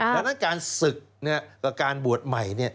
แล้วนั้นการกินกับการบวชใหม่